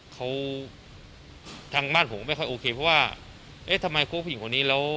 เขาทางบ้านผมก็ไม่ค่อยโอเคเพราะว่าเอ๊ะทำไมคบผู้หญิงคนนี้แล้ว